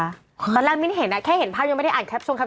ตอนแรกไม่ได้เห็นแค่เห็นภาพยังไม่ได้อ่านแคปชั่วครับ